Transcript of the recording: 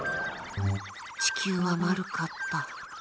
地球は丸かった。